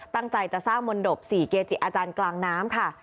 ตั้งใจจะสร้างมนตบ๔เกจิอาจารย์กลางน้ำค่ะ